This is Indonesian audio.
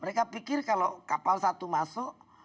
mereka pikir kalau kapal satu masuk